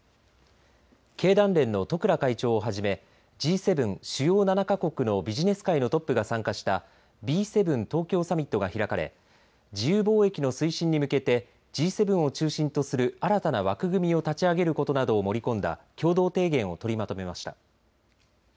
経団連の十倉会長をはじめＧ７、主要７か国のビジネス界のトップが参加したＢ７東京サミットが開かれ自由貿易の推進に向けてＧ７を中心とする新たな枠組みを立ち上げることなどを盛り込んだ共同提言を取りまとめました。